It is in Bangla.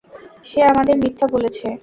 সে আমাদের মিথ্যা বলেছে।